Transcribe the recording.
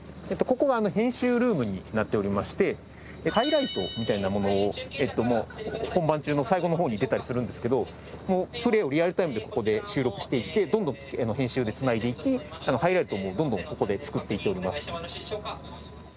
ここは編集ルームになっておりましてハイライトみたいなものをえっともう本番中の最後の方に出たりするんですけどプレーをリアルタイムでここで収録していてどんどん編集で繋いでいきハイライトをどんどんここで作っていっております。